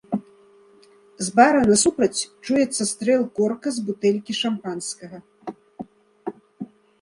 З бара насупраць чуецца стрэл корка з бутэлькі шампанскага.